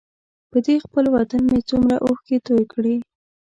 په دې خپل وطن مې څومره اوښکې توی کړې.